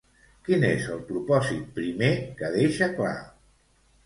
Quin és el propòsit primer que deixa clar?